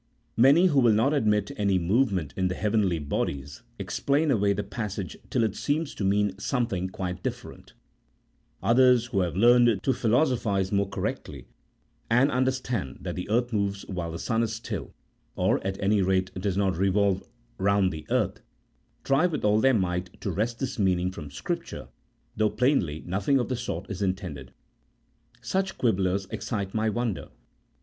Many, who will not admit any movement in the heavenly bodies, explain away the passage till it seems to mean something quite different ; others, who have learned to philosophize more correctly, and understand that the earth moves while the sun is still, or at any rate does not revolve round the earth, try with all their might to wrest this meaning from Scripture, though plainly nothing of the sort is intended. Such quibblers excite my wonder